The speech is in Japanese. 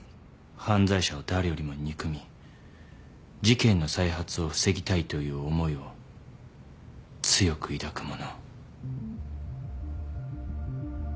犯罪者を誰よりも憎み事件の再発を防ぎたいという思いを強く抱く者。